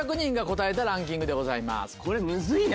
これむずいな。